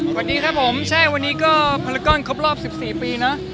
สวัสดีครับผมใช่วันนี้ก็พันละก้อนครบรอบ๑๔ปีเนอะ